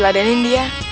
udah lah daniel dia